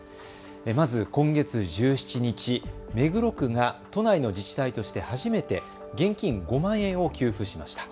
まず今月１７日、目黒区が都内の自治体として初めて現金５万円を給付しました。